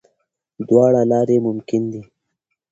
دواړه لارې ممکن دي.